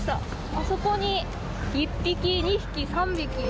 あそこに１匹、２匹、３匹。